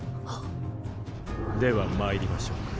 では参りましょうか。